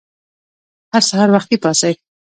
هر سهار وختي پاڅئ!